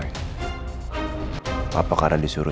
nama anak kedua